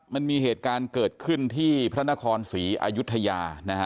มันมีเหตุการณ์เกิดขึ้นที่พระนครศรีอายุทยานะฮะ